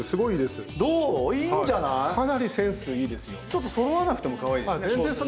ちょっとそろわなくてもかわいいですね。